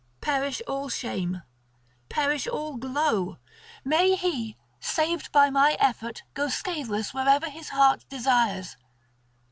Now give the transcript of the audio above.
Perish all shame, perish all glow; may he, saved by my effort, go scatheless wherever his heart desires.